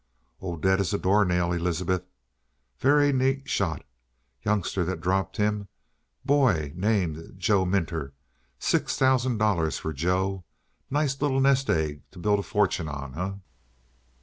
"Oh, dead as a doornail, Elizabeth. Very neat shot. Youngster that dropped him; boy named Joe Minter. Six thousand dollars for Joe. Nice little nest egg to build a fortune on, eh?"